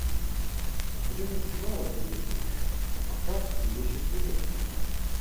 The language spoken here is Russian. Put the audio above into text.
Во время привала передохнёшь, а пока двигайся вперёд!